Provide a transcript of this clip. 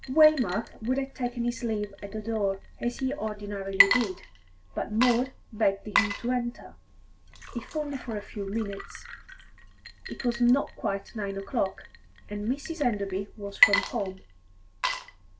Waymark would have taken his leave at the door, as he ordinarily did, but Maud begged him to enter, if only for a few minutes. It was not quite nine o'clock, and Mrs. Enderby was from home.